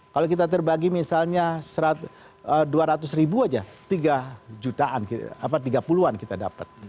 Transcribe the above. kalau kita terbagi misalnya rp dua ratus saja rp tiga jutaan rp tiga puluh jutaan kita dapat